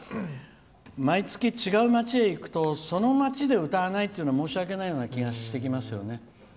毎月、違う街へ行くとその街で歌わないってのは申し訳ないような気がしてきますよね。